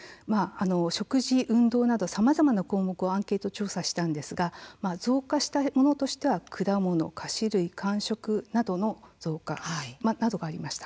食事、運動などさまざまな項目をアンケート調査したんですが増加したものとして、果物菓子類、間食などの増加などがありました。